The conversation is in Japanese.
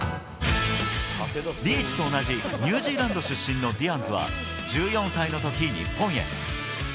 リーチと同じニュージーランド出身のディアンズは１４歳のとき、日本へ。